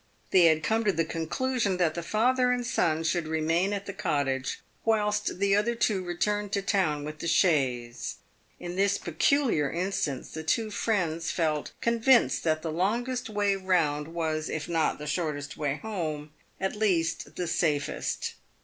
They had come to the conclusion that the father and son should remain at the cottage, whilst the other two returned to town with the chaise. In this peculiar instance the two friends felt convinced that the longest way round was, if not the shortest way home, at least the safest.